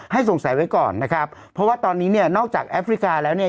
สงสัยไว้ก่อนนะครับเพราะว่าตอนนี้เนี่ยนอกจากแอฟริกาแล้วเนี่ย